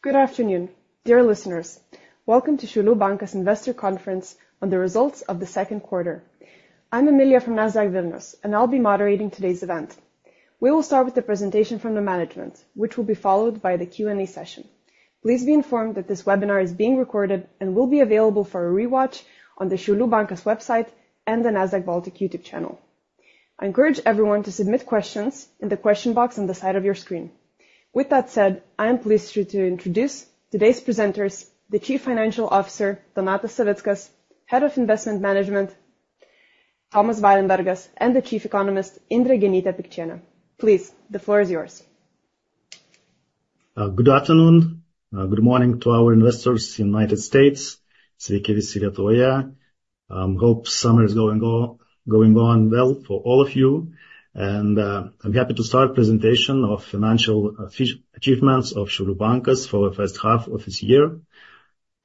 Good afternoon, dear listeners. Welcome to Šiaulių Bankas Investor Conference on the results of the second quarter. I'm Emilija from Nasdaq Vilnius, and I'll be moderating today's event. We will start with the presentation from the management, which will be followed by the Q&A session. Please be informed that this webinar is being recorded and will be available for a rewatch on the Šiaulių Bankas website and the Nasdaq Baltic YouTube channel. I encourage everyone to submit questions in the question box on the side of your screen. With that said, I am pleased to introduce today's presenters, the Chief Financial Officer, Donatas Savickas, Head of Investment Management, Tomas Varenbergas, and the Chief Economist, Indrė Genytė-Pikčienė. Please, the floor is yours. Good afternoon. Good morning to our investors in United States. „Sveiki visi lietuviai!" Hope summer is going on well for all of you, and I'm happy to start presentation of financial achievements of Šiaulių Bankas for the first half of this year.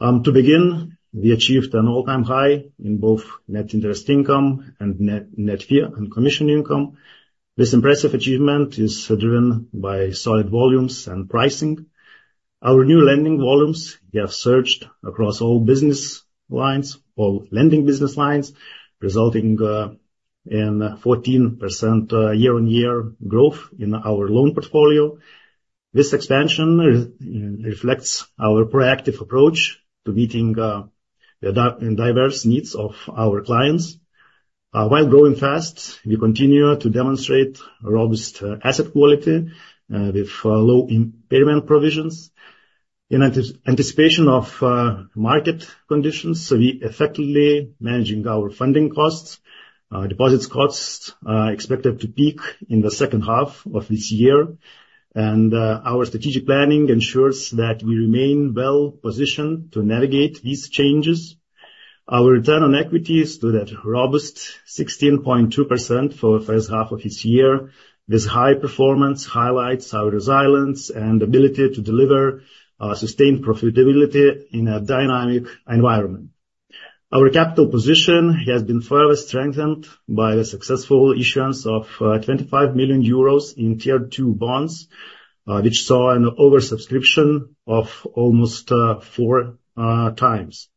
To begin, we achieved an all-time high in both net interest income and net fee and commission income. This impressive achievement is driven by solid volumes and pricing. Our new lending volumes have surged across all business lines or lending business lines, resulting in 14% year-on-year growth in our loan portfolio. This expansion reflects our proactive approach to meeting the diverse needs of our clients. While growing fast, we continue to demonstrate robust asset quality with low impairment provisions. In anticipation of market conditions, so we effectively managing our funding costs. Our deposits costs expected to peak in the second half of this year, and our strategic planning ensures that we remain well-positioned to navigate these changes. Our Return on Equity is to that robust 16.2% for the first half of this year. This high performance highlights our resilience and ability to deliver sustained profitability in a dynamic environment. Our capital position has been further strengthened by the successful issuance of 25 million euros in Tier 2 bonds, which saw an oversubscription of almost 4 times.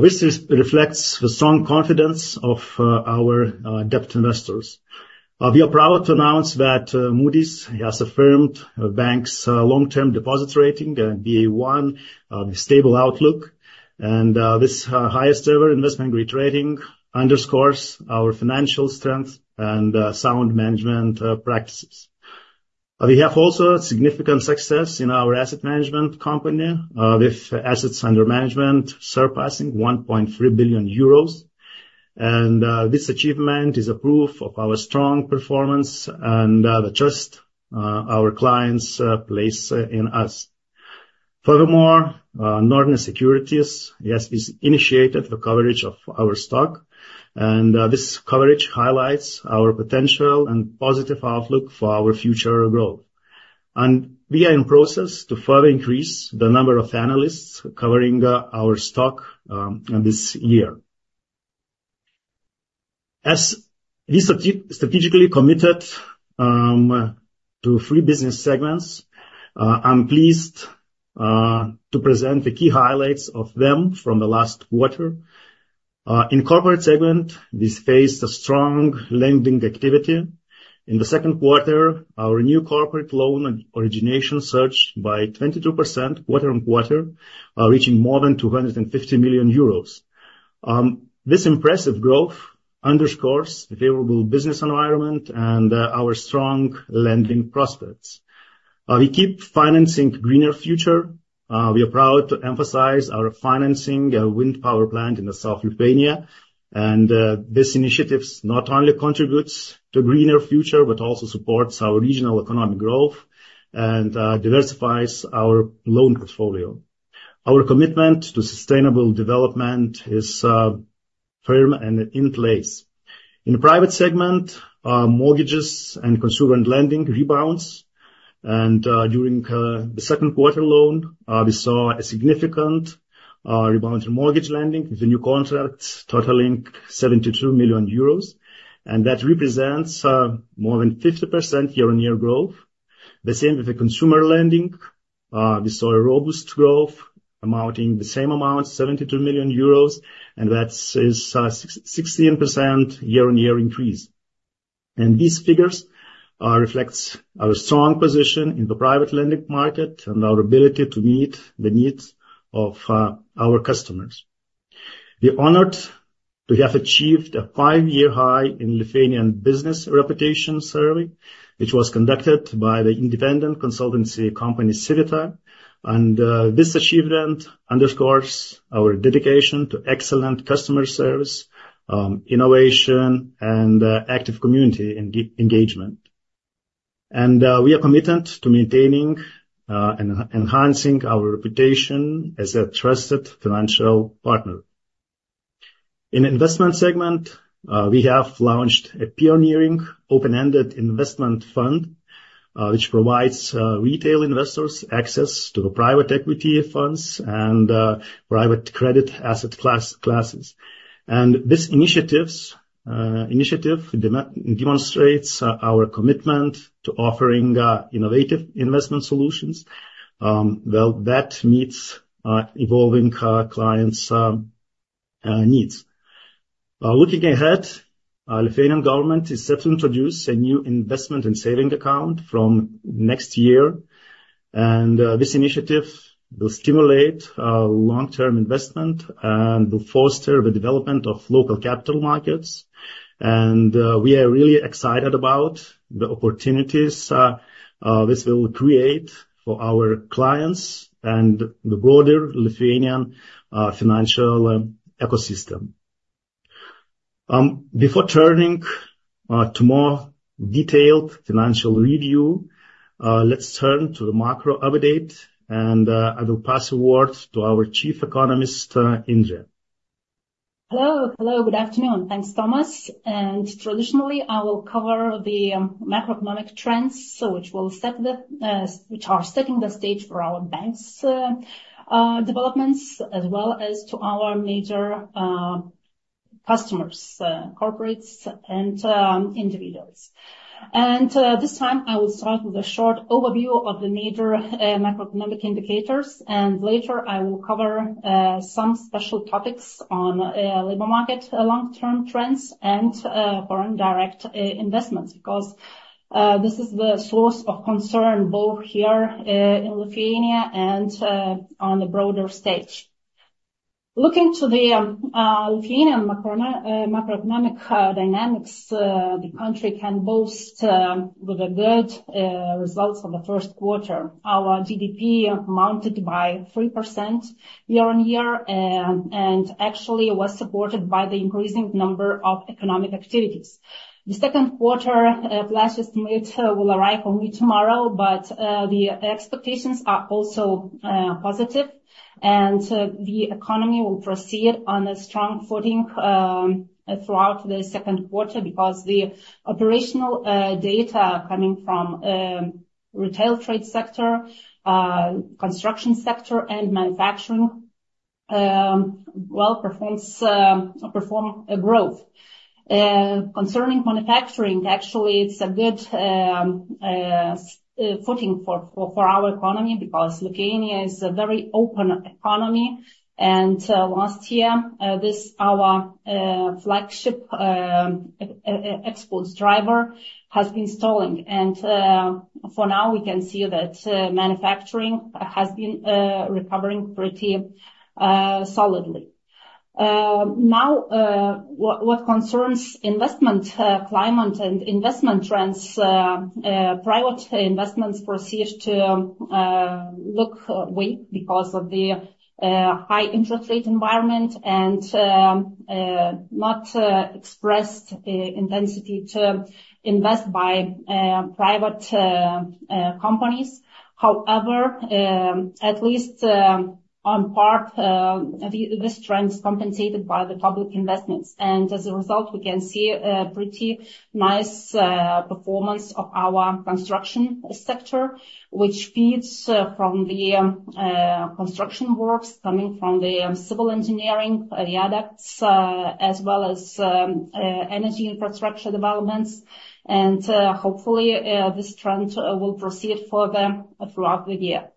This reflects the strong confidence of our debt investors. We are proud to announce that Moody's has affirmed the bank's long-term deposits rating Baa1, stable outlook, and this highest-ever investment-grade rating underscores our financial strength and sound management practices. We have also a significant success in our asset management company with assets under management surpassing 1.3 billion euros, and this achievement is a proof of our strong performance and the trust our clients place in us. Furthermore, Norne Securities, yes, we initiated the coverage of our stock, and this coverage highlights our potential and positive outlook for our future growth. We are in process to further increase the number of analysts covering our stock this year. As we strategically committed to three business segments, I'm pleased to present the key highlights of them from the last quarter. In corporate segment, we faced a strong lending activity. In the second quarter, our new corporate loan origination surged by 22% quarter-on-quarter, reaching more than 250 million euros. This impressive growth underscores the favorable business environment and our strong lending prospects. We keep financing greener future. We are proud to emphasize our financing a wind power plant in South Lithuania, and this initiative not only contributes to greener future, but also supports our regional economic growth and diversifies our loan portfolio. Our commitment to sustainable development is firm and in place. In the private segment, mortgages and consumer lending rebounds, and, during the second quarter loan, we saw a significant rebound in mortgage lending with the new contracts totaling 72 million euros, and that represents more than 50% year-on-year growth. The same with the consumer lending, we saw a robust growth amounting the same amount, 72 million euros, and that is 16% year-on-year increase. And these figures reflects our strong position in the private lending market and our ability to meet the needs of our customers. We're honored to have achieved a five-year high in Lithuanian Business Reputation Survey, which was conducted by the independent consultancy company, Civitta. And this achievement underscores our dedication to excellent customer service, innovation and active community engagement. We are committed to maintaining and enhancing our reputation as a trusted financial partner. In investment segment, we have launched a pioneering open-ended investment fund, which provides retail investors access to the private equity funds and private credit asset classes. And this initiative demonstrates our commitment to offering innovative investment solutions, well, that meets evolving clients' needs. Looking ahead, our Lithuanian government is set to introduce a new investment and saving account from next year, and this initiative will stimulate long-term investment and will foster the development of local capital markets. And we are really excited about the opportunities this will create for our clients and the broader Lithuanian financial ecosystem. Before turning to more detailed financial review, let's turn to the macro update, and I will pass a word to our Chief Economist, Indrė. Hello, hello, good afternoon. Thanks, Tomas. Traditionally, I will cover the macroeconomic trends, so which will set the, which are setting the stage for our bank's developments, as well as to our major customers, corporates and individuals. This time I will start with a short overview of the major macroeconomic indicators, and later I will cover some special topics on labor market, long-term trends and foreign direct investments. Because this is the source of concern both here in Lithuania and on the broader stage. Looking to the Lithuanian macroeconomic dynamics, the country can boast with the good results of the first quarter. Our GDP amounted by 3% year-on-year, and actually was supported by the increasing number of economic activities. The second quarter flash estimate will arrive only tomorrow, but the expectations are also positive, and the economy will proceed on a strong footing throughout the second quarter because the operational data coming from retail trade sector, construction sector and manufacturing well perform a growth. Concerning manufacturing, actually, it's a good footing for our economy because Lithuania is a very open economy, and last year this our flagship exports driver has been stalling. And for now, we can see that manufacturing has been recovering pretty solidly. Now, what concerns investment climate and investment trends, private investments proceed to look weak because of the high interest rate environment and not expressed intensity to invest by private companies. However, at least on part, this trend is compensated by the public investments, and as a result, we can see a pretty nice performance of our construction sector, which feeds from the construction works coming from the civil engineering, the adapts, as well as energy infrastructure developments. And hopefully this trend will proceed further throughout the year.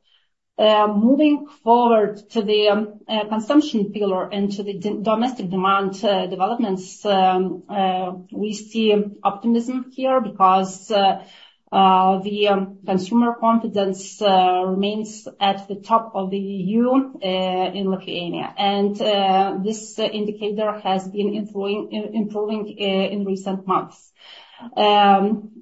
Moving forward to the consumption pillar and to the domestic demand developments, we see optimism here because the consumer confidence remains at the top of the EU in Lithuania. This indicator has been improving in recent months.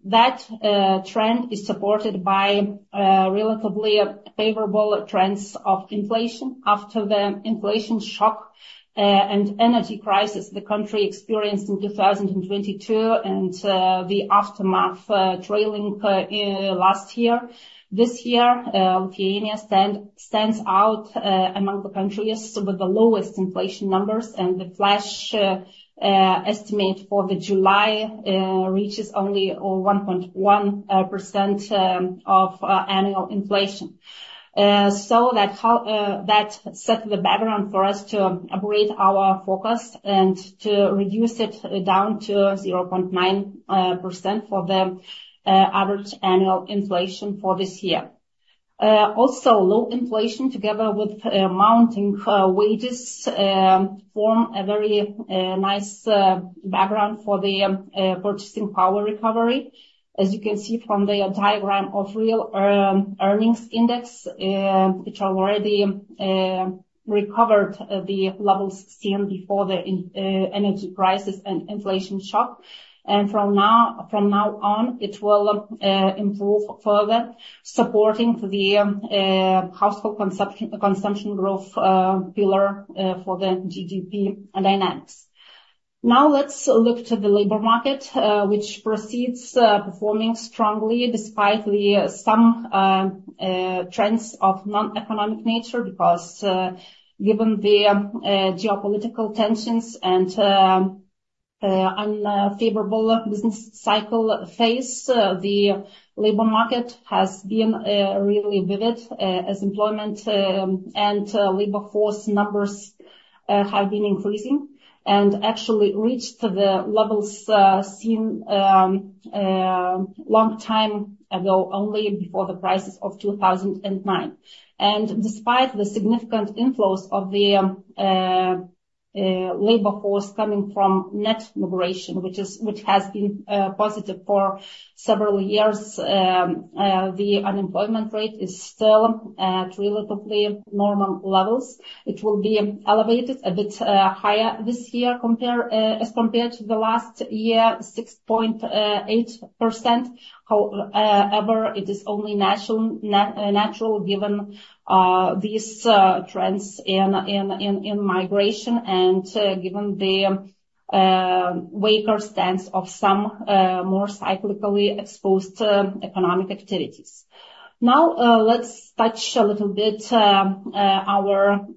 That trend is supported by relatively favorable trends of inflation after the inflation shock and energy crisis the country experienced in 2022 and the aftermath trailing last year. This year, Lithuania stands out among the countries with the lowest inflation numbers, and the flash estimate for July reaches only 1.1% of annual inflation. So that's how that set the background for us to upgrade our forecast and to reduce it down to 0.9% for the average annual inflation for this year. Also, low inflation, together with mounting wages, form a very nice background for the purchasing power recovery. As you can see from the diagram of real earnings index, which are already recovered the levels seen before the energy crisis and inflation shock. From now, from now on, it will improve further, supporting the household consumption, consumption growth pillar for the GDP dynamics. Now let's look to the labor market, which proceeds performing strongly despite some trends of non-economic nature, because given the geopolitical tensions and unfavorable business cycle phase, the labor market has been really vivid as employment and labor force numbers have been increasing and actually reached the levels seen long time ago, only before the crisis of 2009. And despite the significant inflows of the labor force coming from net migration, which has been positive for several years, the unemployment rate is still at relatively normal levels. It will be elevated a bit higher this year, as compared to the last year, 6.8%. However, it is only natural, given these trends in migration and given the weaker stance of some more cyclically exposed economic activities. Now, let's touch a little bit our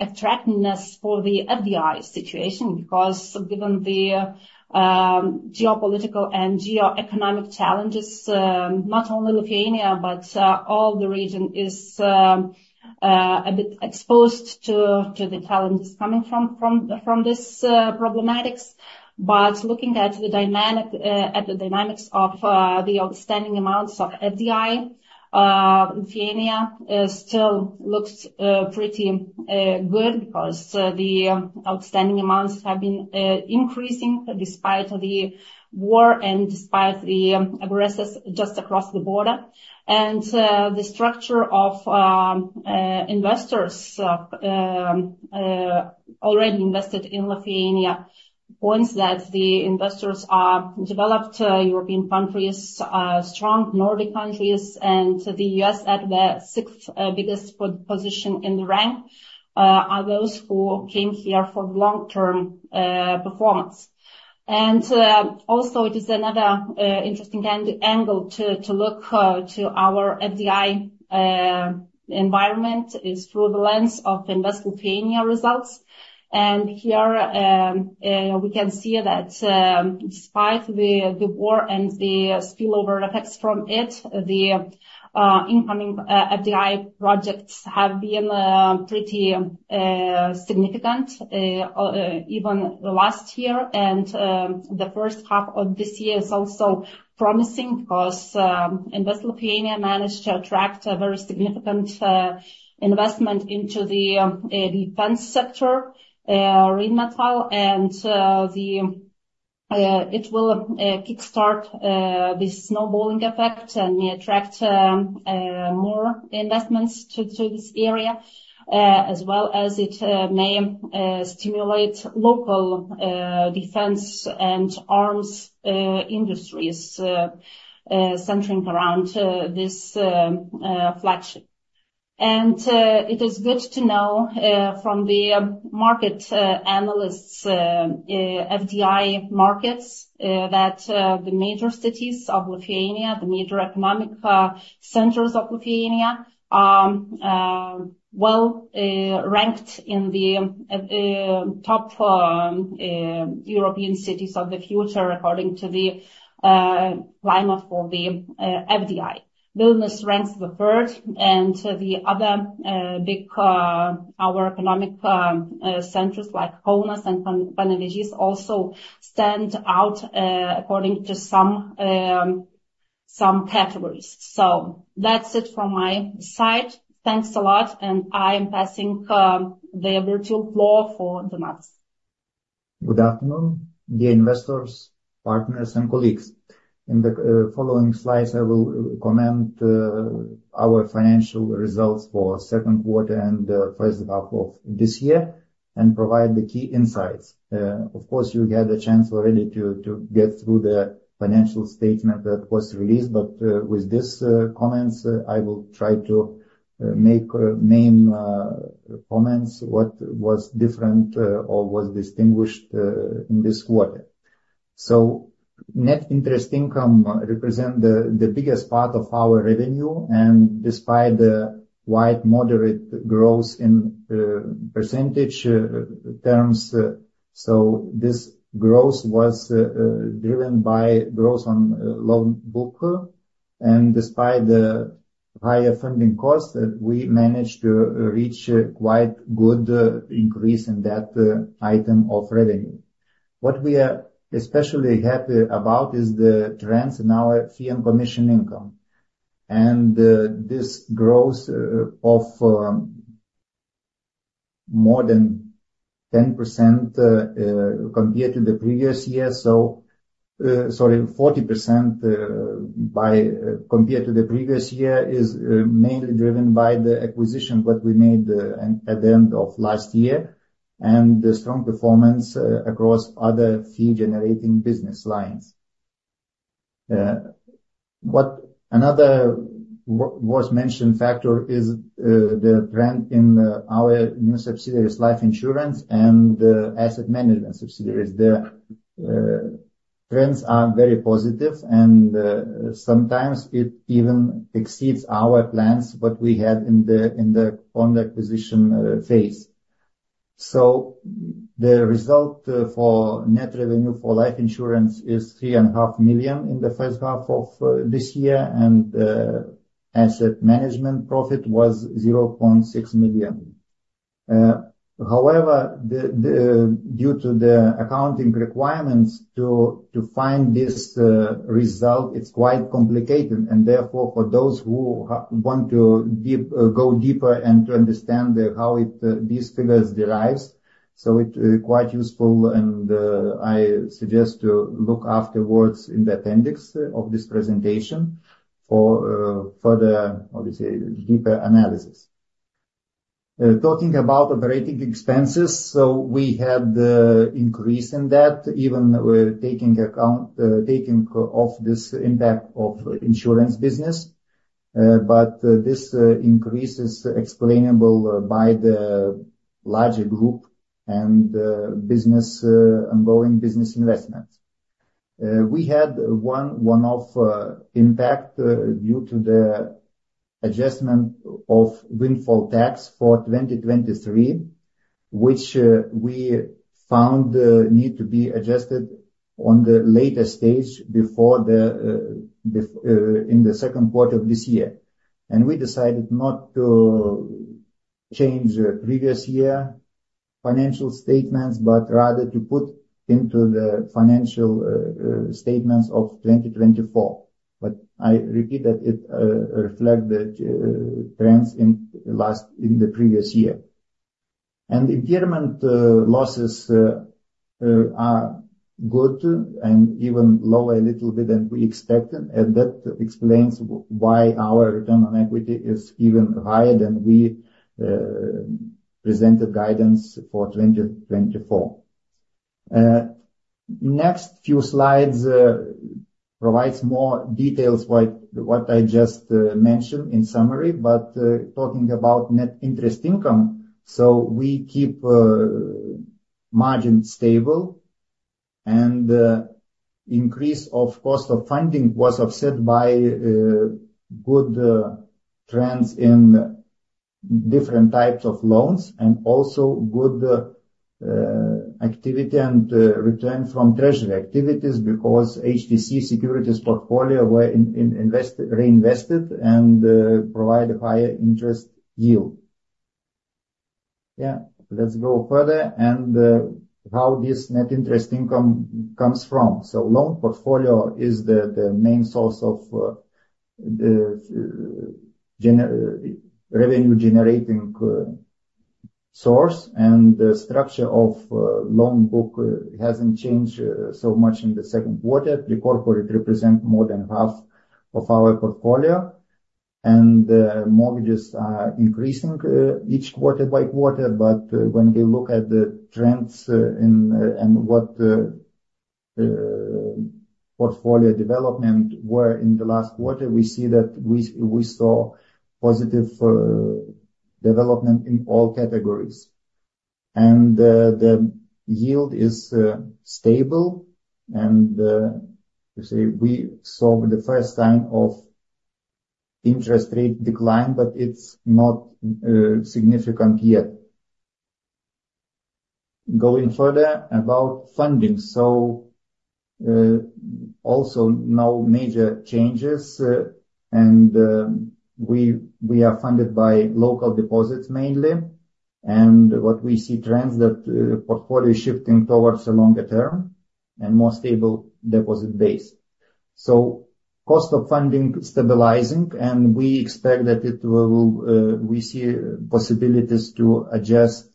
attractiveness for the FDI situation, because given the geopolitical and geoeconomic challenges, not only Lithuania, but all the region is a bit exposed to the challenges coming from this problematics. But looking at the dynamics of the outstanding amounts of FDI, Lithuania still looks pretty good because the outstanding amounts have been increasing despite of the war and despite the aggressors just across the border. And the structure of investors already invested in Lithuania points that the investors are developed European countries, strong Nordic countries, and the U.S. at the sixth biggest position in the rank are those who came here for long-term performance. And also, it is another interesting angle to look to our FDI environment is through the lens of Invest Lithuania results. Here we can see that, despite the war and the spillover effects from it, the incoming FDI projects have been pretty significant, even last year and the first half of this year is also promising because Invest Lithuania managed to attract a very significant investment into the defense sector, Rheinmetall, and it will kickstart this snowballing effect and attract more investments to this area, as well as it may stimulate local defense and arms industries centering around this flagship. It is good to know from the market analysts FDI markets that the major cities of Lithuania, the major economic centers of Lithuania, are well ranked in the top European cities of the future, according to the climate for the FDI. Vilnius ranks the third, and the other big our economic centers, like Kaunas and Panevėžys, also stand out according to some some categories. So that's it from my side. Thanks a lot, and I'm passing the virtual floor for Donatas. Good afternoon, dear investors, partners, and colleagues. In the following slides, I will comment our financial results for second quarter and first half of this year, and provide the key insights. Of course, you had a chance already to get through the financial statement that was released, but with this comments, I will try to make main comments, what was different or was distinguished in this quarter. So net interest income represent the biggest part of our revenue, and despite the wide moderate growth in percentage terms, so this growth was driven by growth on loan book. And despite the higher funding costs, we managed to reach a quite good increase in that item of revenue. What we are especially happy about is the trends in our fee and commission income. And, this growth of more than 10%, compared to the previous year, so... Sorry, 40%, compared to the previous year, is mainly driven by the acquisition that we made at the end of last year, and the strong performance across other fee-generating business lines. What another worth mentioning factor is the trend in our new subsidiaries life insurance and asset management subsidiaries. The trends are very positive, and sometimes it even exceeds our plans, what we had in the, in the, on the acquisition phase. So the result for net revenue for life insurance is 3.5 million in the first half of this year, and asset management profit was 0.6 million. However, due to the accounting requirements to find this result, it's quite complicated, and therefore, for those who want to go deeper and to understand how these figures derive, so it's quite useful, and I suggest to look afterwards in the appendix of this presentation for further deeper analysis. Talking about operating expenses, so we had the increase in that, even with taking account taking off this impact of insurance business. But this increase is explainable by the larger group and ongoing business investments. We had one one-off impact due to the adjustment of windfall tax for 2023, which we found need to be adjusted on the later stage before the be- in the second quarter of this year. We decided not to change the previous year financial statements, but rather to put into the financial statements of 2024. But I repeat that it reflect the trends in last -- in the previous year. Impairment losses are good and even lower a little bit than we expected, and that explains why our Return on Equity is even higher than we presented guidance for 2024. Next few slides provides more details what I just mentioned in summary. But, talking about net interest income, so we keep margin stable, and increase of cost of funding was offset by good trends in different types of loans and also good activity and return from treasury activities because HDC securities portfolio were reinvested and provide a higher interest yield. Yeah, let's go further, and how this net interest income comes from. So loan portfolio is the main source of the revenue generating source, and the structure of loan book hasn't changed so much in the second quarter. The corporate represent more than half of our portfolio, and mortgages are increasing each quarter by quarter. But, when we look at the trends, and, and what the, portfolio development were in the last quarter, we see that we, we saw positive, development in all categories. And, the yield is, stable and, you see, we saw the first sign of interest rate decline, but it's not, significant yet. Going further about funding, so, also no major changes, and, we, we are funded by local deposits mainly. And what we see trends that, portfolio is shifting towards a longer term and more stable deposit base. So cost of funding stabilizing, and we expect that it will, we see possibilities to adjust,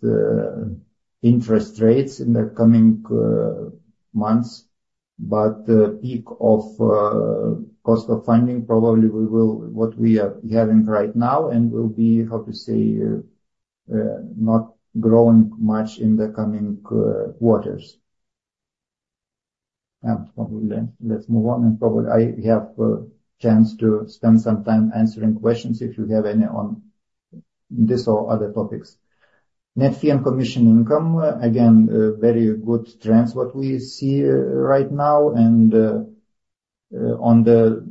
interest rates in the coming, months. But the peak of cost of funding, probably we will, what we are having right now and will be, how to say, not growing much in the coming quarters. Let's move on, and probably I have a chance to spend some time answering questions if you have any on this or other topics. Net fee and commission income, again, very good trends what we see right now. And on the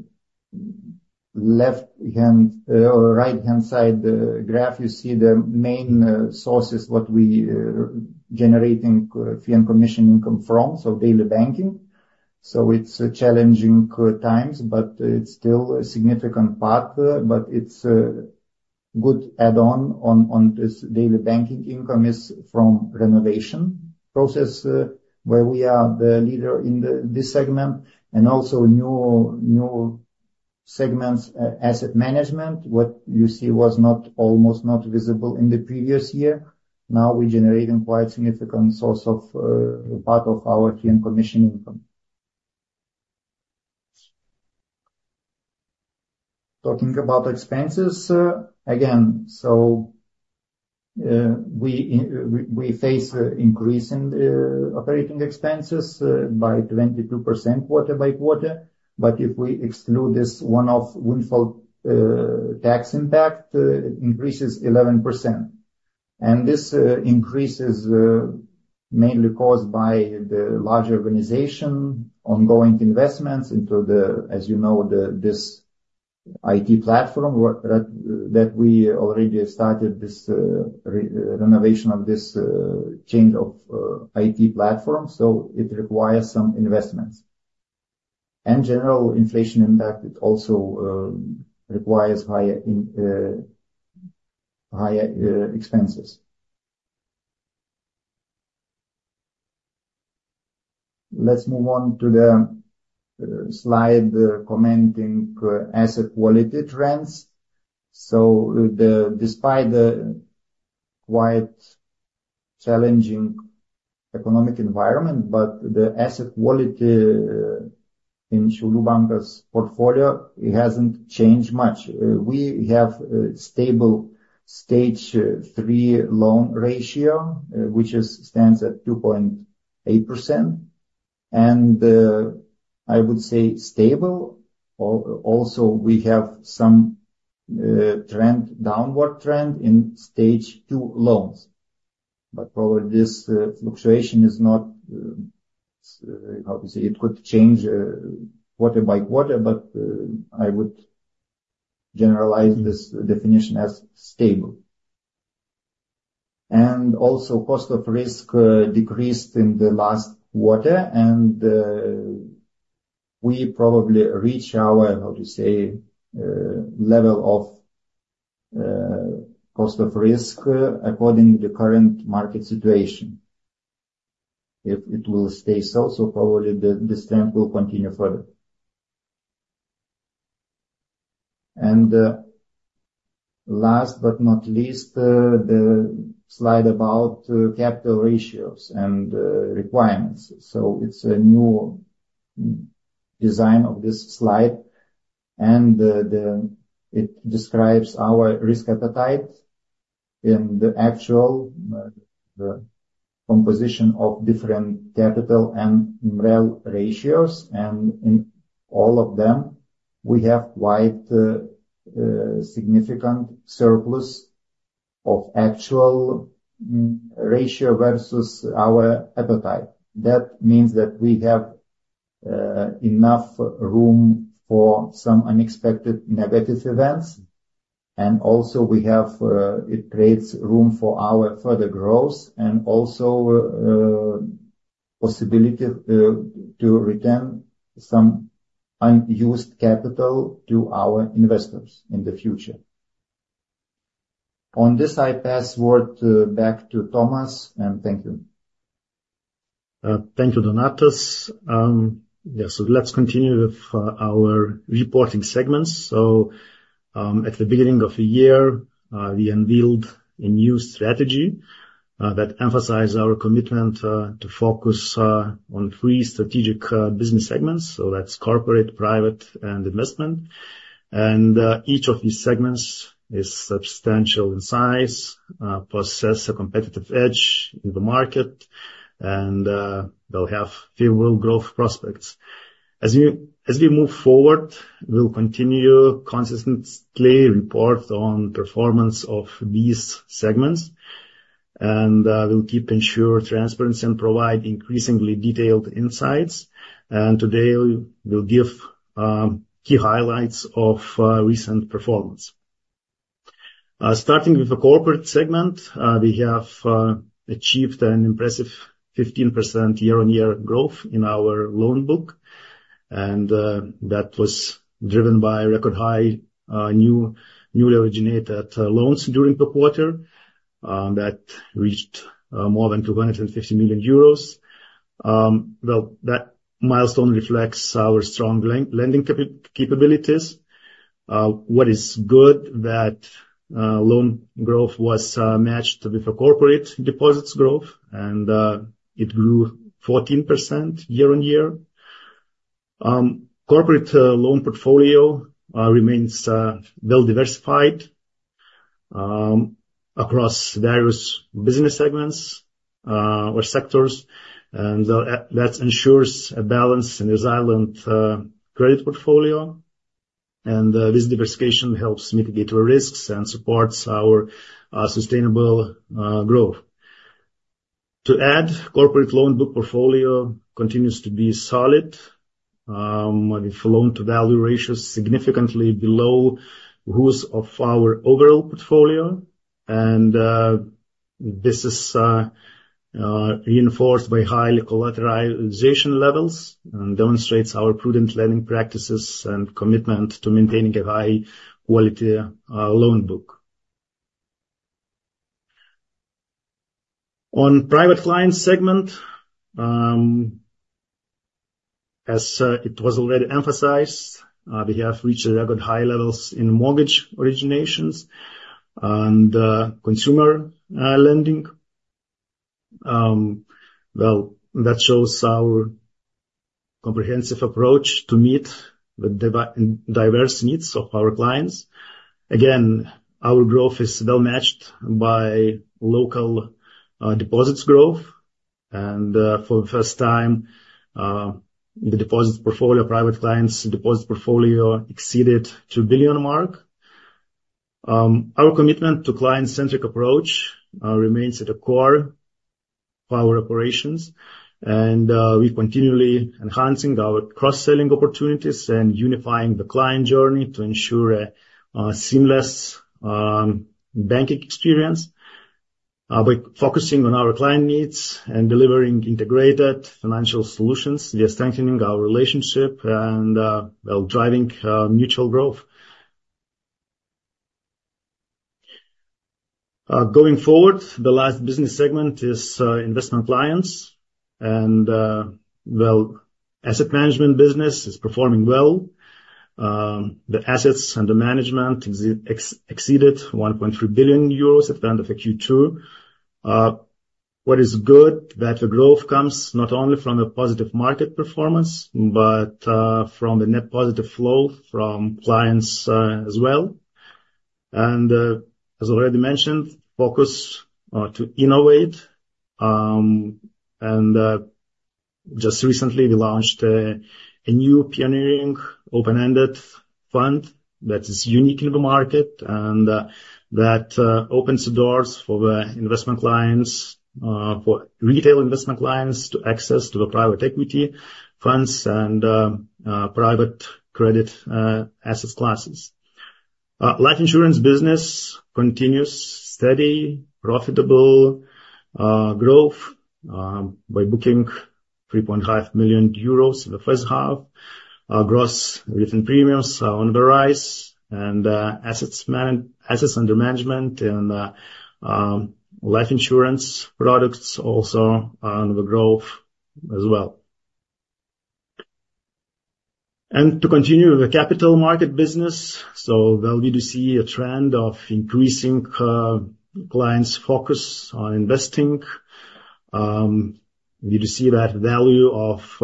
left-hand right-hand side graph, you see the main sources what we generating fee and commission income from, so daily banking. So it's challenging times, but it's still a significant part. But it's a good add-on on, on this daily banking income is from renovation process, where we are the leader in the, this segment, and also new segments, asset management, what you see was almost not visible in the previous year. Now we're generating quite significant source of, part of our fee and commission income. Talking about expenses, again, so, we face increase in operating expenses by 22% quarter-over-quarter. But if we exclude this one-off windfall tax impact, it increases 11%. And this increase is mainly caused by the larger organization, ongoing investments into the, as you know, the this IT platform where that we already have started this renovation of this chain of IT platform, so it requires some investments. General inflation impact, it also requires higher expenses. Let's move on to the slide commenting asset quality trends. So despite the quite challenging economic environment, but the asset quality in Šiaulių Bankas's portfolio, it hasn't changed much. We have a stable stage three loan ratio, which stands at 2.8%, and I would say stable. Also, we have some downward trend in stage two loans. But probably this fluctuation is not obviously it could change quarter by quarter, but I would generalize this definition as stable. And also, cost of risk decreased in the last quarter, and we probably reach our, how to say, level of cost of risk according to the current market situation. If it will stay so, so probably this trend will continue further. And, last but not least, the slide about capital ratios and requirements. So it's a new design of this slide, and it describes our risk appetite in the actual composition of different capital and in real ratios. And in all of them, we have quite significant surplus of actual ratio versus our appetite. That means that we have enough room for some unexpected negative events, and also we have it creates room for our further growth and also possibility to return some unused capital to our investors in the future. On this, I pass word back to Tomas, and thank you. Thank you, Donatas. Yeah, so let's continue with our reporting segments. So, at the beginning of the year, we unveiled a new strategy that emphasize our commitment to focus on three strategic business segments, so that's corporate, private, and investment. And each of these segments is substantial in size, possess a competitive edge in the market, and they'll have favorable growth prospects. As we move forward, we'll continue to consistently report on performance of these segments, and we'll keep ensure transparency and provide increasingly detailed insights. And today, we'll give key highlights of recent performance. Starting with the corporate segment, we have achieved an impressive 15% year-on-year growth in our loan book, and that was driven by record high newly originated loans during the quarter that reached more than 250 million euros. Well, that milestone reflects our strong lending capabilities. What is good, that loan growth was matched with the corporate deposits growth, and it grew 14% year-on-year. Corporate loan portfolio remains well diversified across various business segments or sectors, and that ensures a balanced and resilient credit portfolio. This diversification helps mitigate our risks and supports our sustainable growth. To add, corporate loan book portfolio continues to be solid, with loan-to-value ratios significantly below those of our overall portfolio, and this is reinforced by high collateralization levels and demonstrates our prudent lending practices and commitment to maintaining a high-quality loan book. On private client segment, as it was already emphasized, we have reached record high levels in mortgage originations and consumer lending. Well, that shows our comprehensive approach to meet the diverse needs of our clients. Again, our growth is well matched by local deposits growth, and for the first time, the deposits portfolio, private clients deposits portfolio exceeded 2 billion mark. Our commitment to client-centric approach remains at the core of our operations, and we're continually enhancing our cross-selling opportunities and unifying the client journey to ensure a seamless banking experience. By focusing on our client needs and delivering integrated financial solutions, we are strengthening our relationship and, well, driving mutual growth. Going forward, the last business segment is investment clients, and, well, asset management business is performing well. The assets under management exceeded 1.3 billion euros at the end of the Q2. What is good, that the growth comes not only from a positive market performance, but from the net positive flow from clients as well. As already mentioned, focus to innovate. And just recently, we launched a new pioneering open-ended fund that is unique in the market, and that opens the doors for the investment clients, for retail investment clients, to access to the private equity funds and private credit asset classes. Life insurance business continues steady, profitable growth by booking 3.5 million euros in the first half. Gross written premiums are on the rise and assets under management and life insurance products also are on the growth as well. To continue the capital market business, so well, we do see a trend of increasing clients' focus on investing. We do see that value of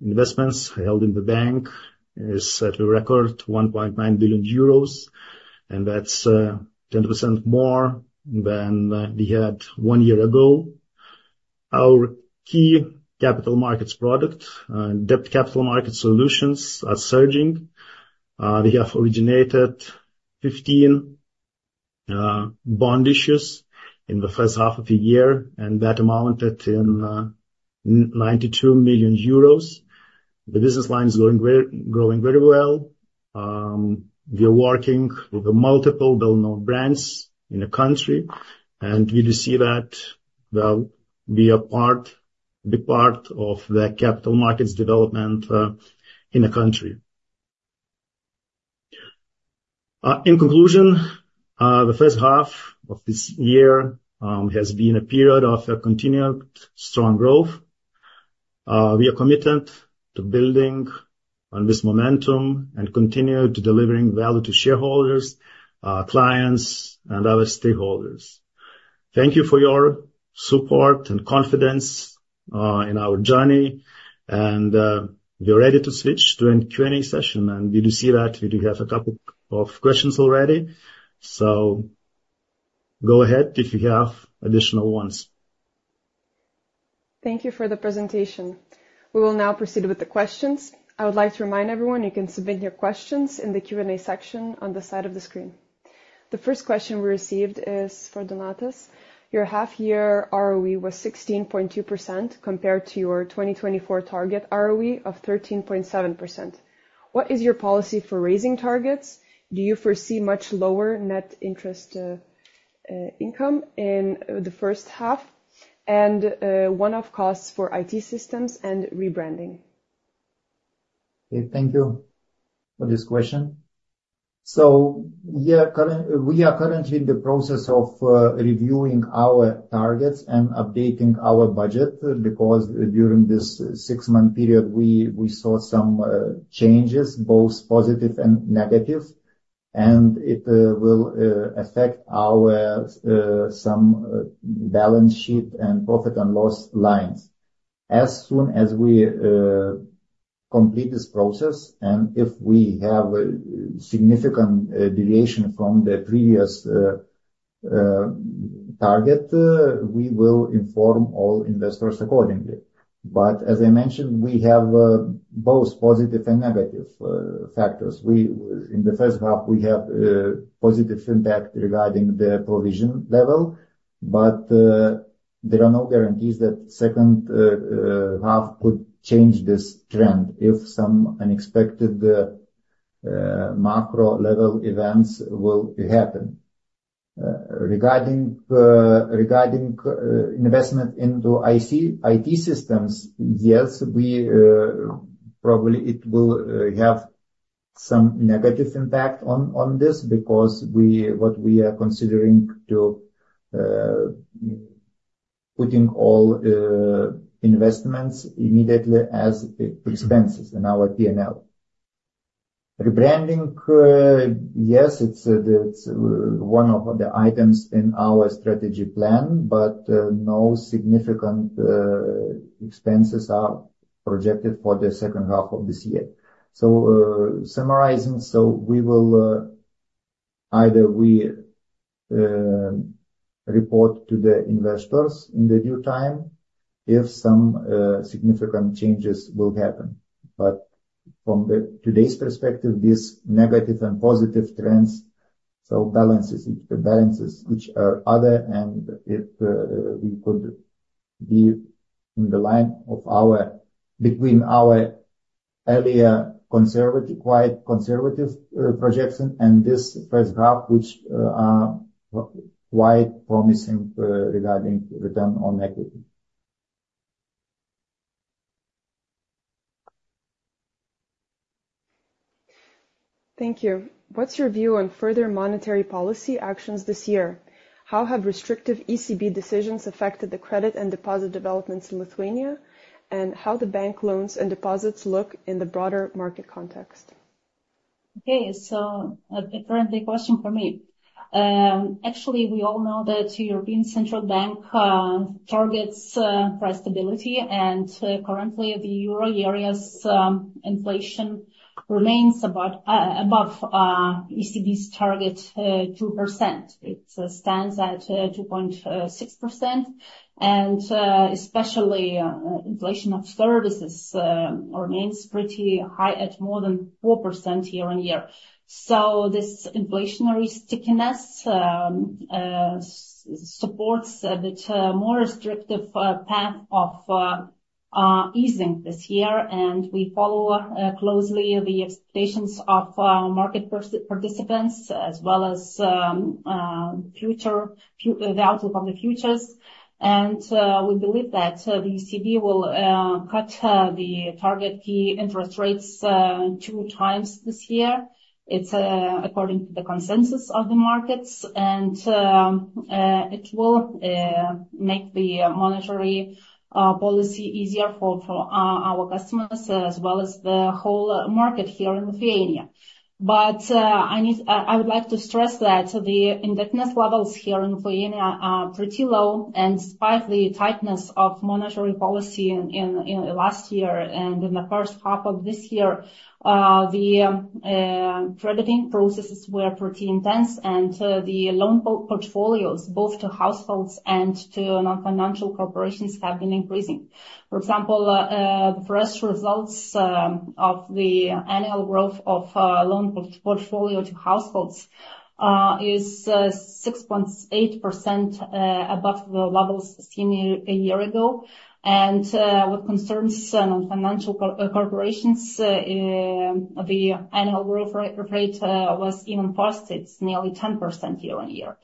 investments held in the bank is at a record 1.9 billion euros, and that's 10% more than we had one year ago. Our key capital markets product, debt capital market solutions, are surging. We have originated 15 bond issues in the first half of the year, and that amounted to 92 million euros. The business line is growing very well. We are working with multiple well-known brands in the country, and we do see that, well, we are a big part of the capital markets development in the country. In conclusion, the first half of this year has been a period of continued strong growth. We are committed to building on this momentum and continue to delivering value to shareholders, clients, and other stakeholders. Thank you for your support and confidence in our journey, and we are ready to switch to a Q&A session, and we do see that we do have a couple of questions already. So go ahead if you have additional ones. Thank you for the presentation. We will now proceed with the questions. I would like to remind everyone, you can submit your questions in the Q&A section on the side of the screen. The first question we received is for Donatas. Your half year ROE was 16.2% compared to your 2024 target ROE of 13.7%. What is your policy for raising targets? Do you foresee much lower net interest income in the first half? And one-off costs for IT systems and rebranding. Okay. Thank you for this question. So yeah, we are currently in the process of reviewing our targets and updating our budget, because during this six-month period, we saw some changes, both positive and negative, and it will affect our some balance sheet and profit and loss lines. As soon as we complete this process, and if we have a significant deviation from the previous target, we will inform all investors accordingly. But as I mentioned, we have both positive and negative factors. In the first half, we have positive impact regarding the provision level, but there are no guarantees that second half could change this trend if some unexpected macro-level events will happen. Regarding investment into IT systems, yes, we probably it will have some negative impact on this, because we... what we are considering to putting all investments immediately as pre expenses in our P&L. ...Rebranding, yes, it's the one of the items in our strategy plan, but no significant expenses are projected for the second half of this year. So, summarizing, so we will either we report to the investors in the due time if some significant changes will happen. But from today's perspective, these negative and positive trends, so balances, it balances which are other, and if we could be in the line of our- between our earlier conservative, quite conservative projection and this first half, which are quite promising regarding Return on Equity. Thank you. What's your view on further monetary policy actions this year? How have restrictive ECB decisions affected the credit and deposit developments in Lithuania? How the bank loans and deposits look in the broader market context? Okay, so a different big question for me. Actually, we all know that European Central Bank targets price stability, and currently, the Euro area's inflation remains about above ECB's target 2%. It stands at 2.6%. And especially inflation of services remains pretty high at more than 4% year on year. So this inflationary stickiness supports a bit more restrictive path of easing this year. And we follow closely the expectations of market participants as well as the outlook on the futures. And we believe that the ECB will cut the target key interest rates 2 times this year. It's according to the consensus of the markets, and it will make the monetary policy easier for our customers as well as the whole market here in Lithuania. But I need... I would like to stress that the indebtedness levels here in Lithuania are pretty low, and despite the tightness of monetary policy in last year and in the first half of this year, the crediting processes were pretty intense, and the loan portfolios, both to households and to non-financial corporations, have been increasing. For example, first results of the annual growth of loan portfolio to households is 6.8% above the levels seen a year ago. What concerns non-financial corporations, the annual growth rate was even faster. It's nearly 10% year-on-year.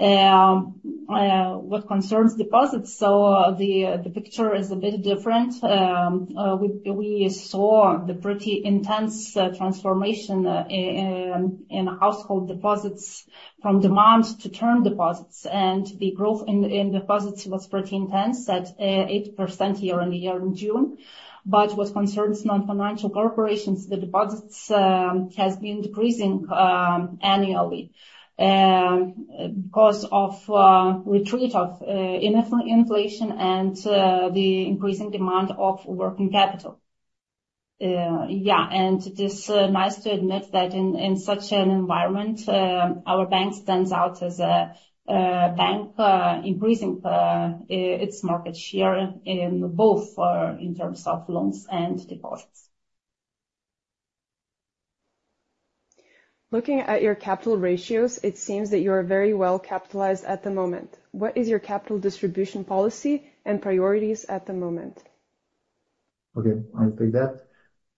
What concerns deposits, so the picture is a bit different. We saw the pretty intense transformation in household deposits from demand to term deposits, and the growth in deposits was pretty intense at 8% year-on-year in June. But what concerns non-financial corporations, the deposits has been decreasing annually because of retreat of inflation and the increasing demand of working capital. Yeah, and it is nice to admit that in such an environment, our bank stands out as a bank increasing its market share in both in terms of loans and deposits. Looking at your capital ratios, it seems that you are very well capitalized at the moment. What is your capital distribution policy and priorities at the moment? Okay, I'll take that.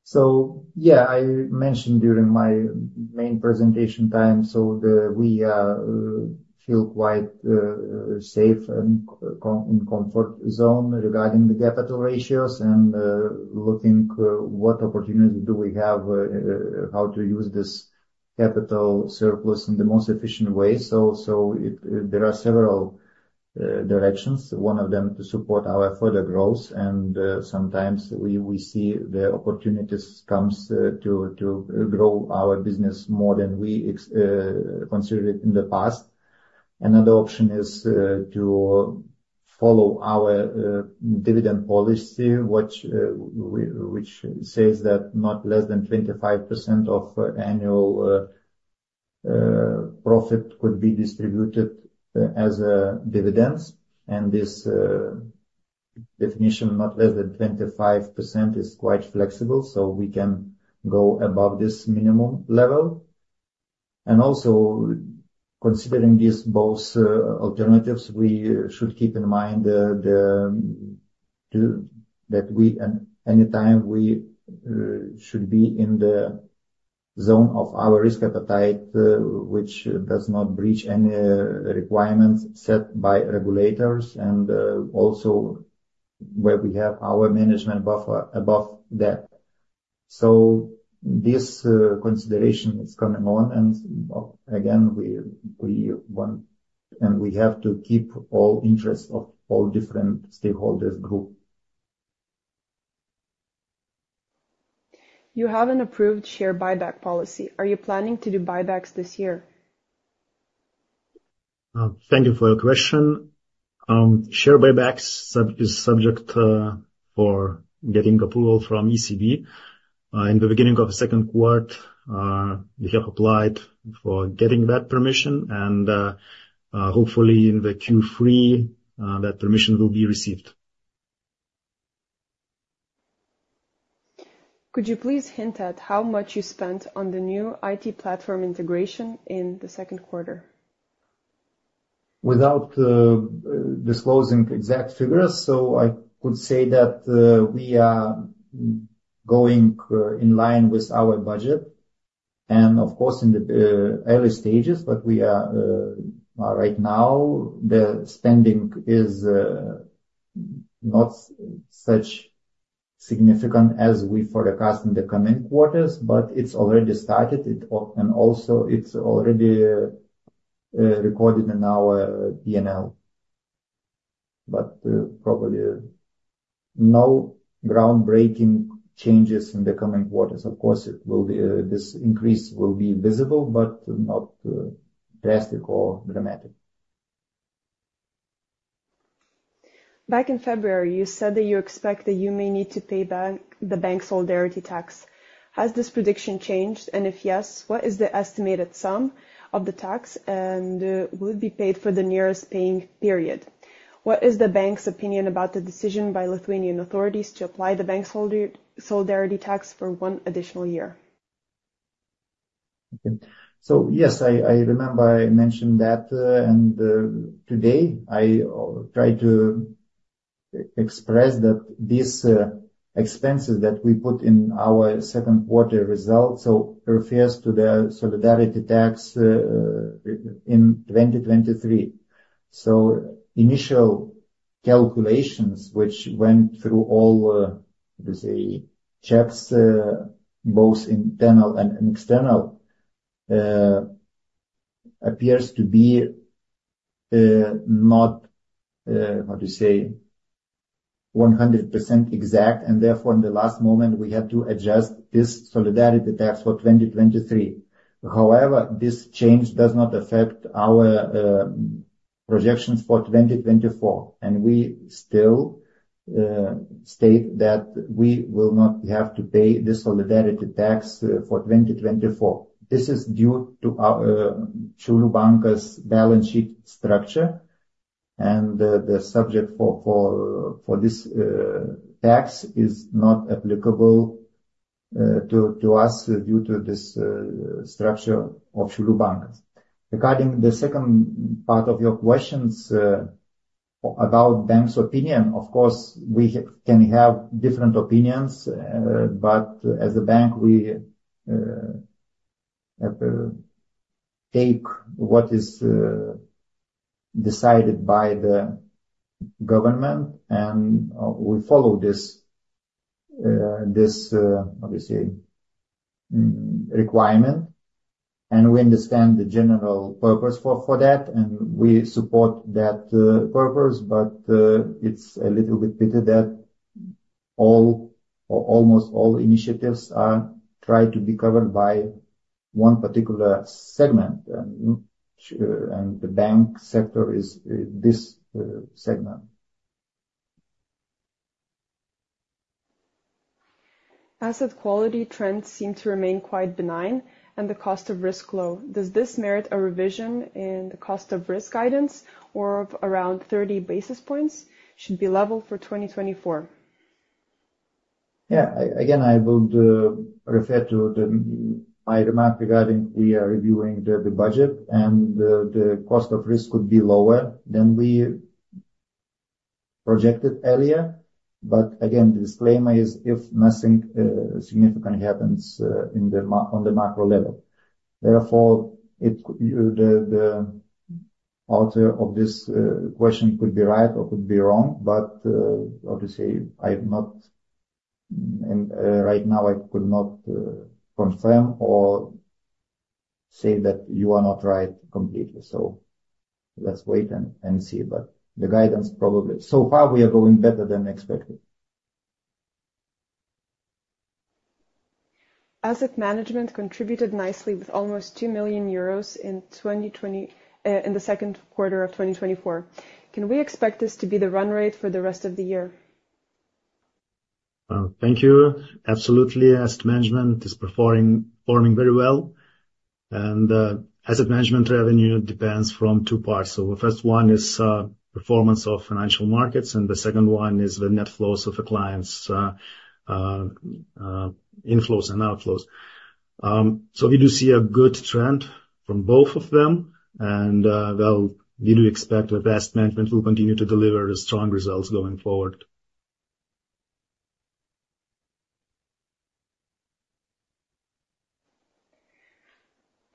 So, yeah, I mentioned during my main presentation time, so we feel quite safe and in comfort zone regarding the capital ratios and looking what opportunities do we have, how to use this capital surplus in the most efficient way. So there are several directions, one of them to support our further growth, and sometimes we see the opportunities comes to grow our business more than we considered in the past. Another option is to follow our dividend policy, which says that not less than 25% of annual profit could be distributed as dividends. And this definition, not less than 25%, is quite flexible, so we can go above this minimum level. And also, considering these both alternatives, we should keep in mind too that we, anytime we should be in the zone of our risk appetite, which does not breach any requirements set by regulators, and also where we have our management buffer above that. So this consideration is going on, and again, we want and we have to keep all interests of all different stakeholders group.... You have an approved share buyback policy. Are you planning to do buybacks this year? Thank you for your question. Share buybacks is subject for getting approval from ECB. In the beginning of the second quarter, we have applied for getting that permission, and hopefully in the Q3, that permission will be received. Could you please hint at how much you spent on the new IT platform integration in the second quarter? Without disclosing exact figures, so I could say that we are going in line with our budget, and of course, in the early stages. But we are right now, the spending is not such significant as we forecast in the coming quarters, but it's already started, and also it's already recorded in our P&L. But probably no groundbreaking changes in the coming quarters. Of course, it will be this increase will be visible, but not drastic or dramatic. Back in February, you said that you expect that you may need to pay back the bank solidarity tax. Has this prediction changed? And if yes, what is the estimated sum of the tax, and will it be paid for the nearest paying period? What is the bank's opinion about the decision by Lithuanian authorities to apply the bank solidarity tax for one additional year? Okay. So yes, I remember I mentioned that, and today, I try to express that these expenses that we put in our second quarter results so refers to the solidarity tax in 2023. So initial calculations, which went through all the checks both internal and external, appears to be not how to say, 100% exact, and therefore, in the last moment, we had to adjust this solidarity tax for 2023. However, this change does not affect our projections for 2024, and we still state that we will not have to pay the solidarity tax for 2024. This is due to our Šiaulių Bankas' balance sheet structure, and the subject for this tax is not applicable to us, due to this structure of Šiaulių Bankas. Regarding the second part of your questions, about bank's opinion, of course, we have—can have different opinions, but as a bank, we take what is decided by the government, and we follow this requirement, and we understand the general purpose for that, and we support that purpose. But it's a little bit pity that all or almost all initiatives are trying to be covered by one particular segment, and the bank sector is this segment. Asset quality trends seem to remain quite benign, and the cost of risk low. Does this merit a revision in the cost of risk guidance or of around 30 basis points should be level for 2024? Yeah. Again, I would refer to my remark regarding we are reviewing the budget, and the cost of risk could be lower than we projected earlier. But again, the disclaimer is, if nothing significant happens on the macro level. Therefore, the author of this question could be right or could be wrong, but how to say, I'm not, and right now, I could not confirm or say that you are not right completely. So let's wait and see. But the guidance probably... So far, we are going better than expected. Asset management contributed nicely with almost 2 million euros in 2020, in the second quarter of 2024. Can we expect this to be the run rate for the rest of the year? Thank you. Absolutely. Asset management is performing very well, and asset management revenue depends from two parts. So the first one is performance of financial markets, and the second one is the net flows of the clients' inflows and outflows. So we do see a good trend from both of them, and well, we do expect that asset management will continue to deliver strong results going forward.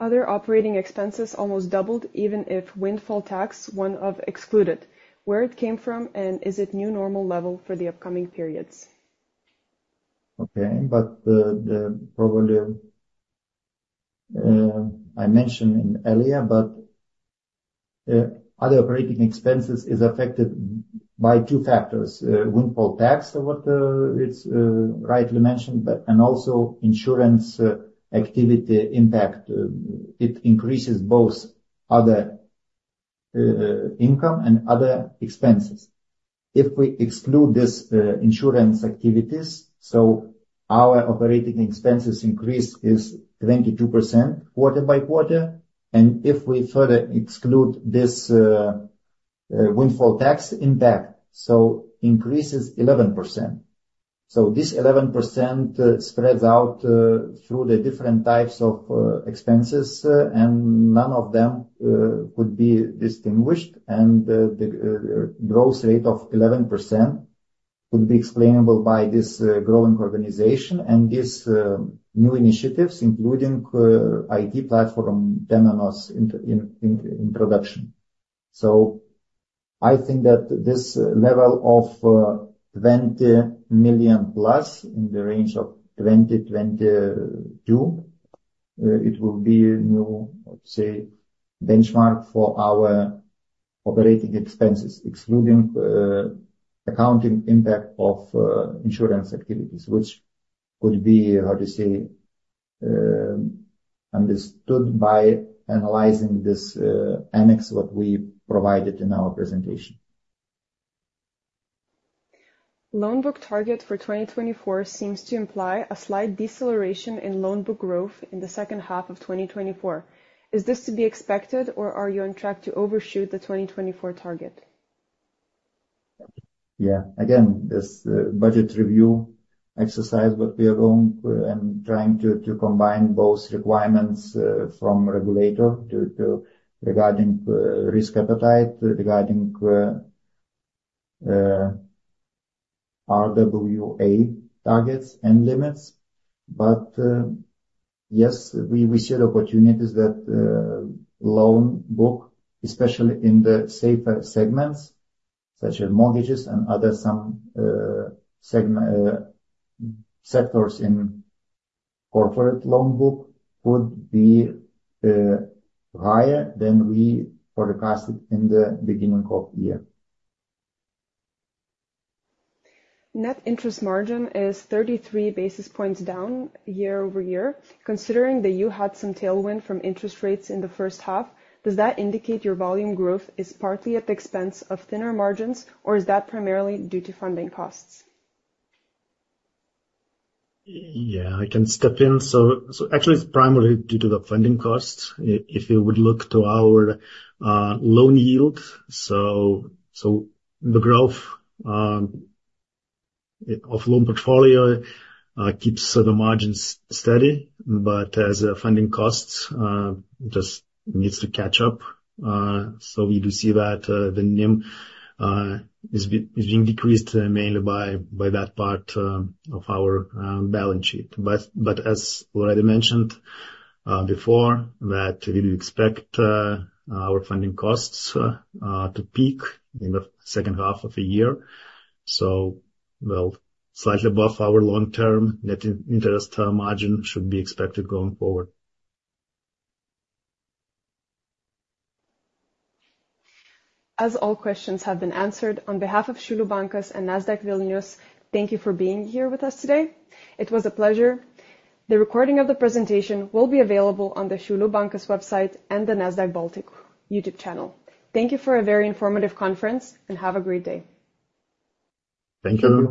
Other operating expenses almost doubled, even if windfall tax, one of excluded. Where it came from, and is it new normal level for the upcoming periods?... Okay, but the probably I mentioned earlier, but other operating expenses is affected by two factors. Windfall tax, what it's rightly mentioned, but and also insurance activity impact. It increases both other income and other expenses. If we exclude this insurance activities, so our operating expenses increase is 22% quarter-over-quarter, and if we further exclude this windfall tax impact, so increases 11%. So this 11% spreads out through the different types of expenses, and none of them could be distinguished, and the growth rate of 11% would be explainable by this growing organization and this new initiatives, including IT platform Temenos integration in introduction. I think that this level of 20 million plus in the range of 2022 it will be new, let's say, benchmark for our operating expenses, excluding accounting impact of insurance activities, which could be, how to say, understood by analyzing this annex what we provided in our presentation. Loan book target for 2024 seems to imply a slight deceleration in loan book growth in the second half of 2024. Is this to be expected, or are you on track to overshoot the 2024 target? Yeah. Again, this budget review exercise that we are going and trying to combine both requirements from regulator to regarding risk appetite, regarding RWA targets and limits. But yes, we see the opportunities that loan book, especially in the safer segments such as mortgages and other some segment sectors in corporate loan book, could be higher than we forecasted in the beginning of the year. Net interest margin is 33 basis points down year-over-year. Considering that you had some tailwind from interest rates in the first half, does that indicate your volume growth is partly at the expense of thinner margins, or is that primarily due to funding costs? Yeah, I can step in. So actually, it's primarily due to the funding costs. If you would look to our loan yield, so the growth of loan portfolio keeps the margins steady, but as funding costs just needs to catch up. So we do see that the NIM is being decreased mainly by that part of our balance sheet. But as already mentioned before, that we do expect our funding costs to peak in the second half of the year, so well, slightly above our long-term net interest margin should be expected going forward. As all questions have been answered, on behalf of Šiaulių Bankas and Nasdaq Vilnius, thank you for being here with us today. It was a pleasure. The recording of the presentation will be available on the Šiaulių Bankas website and the Nasdaq Baltic YouTube channel. Thank you for a very informative conference, and have a great day. Thank you.